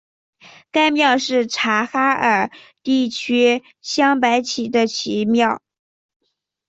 该庙是察哈尔地区镶白旗的旗庙。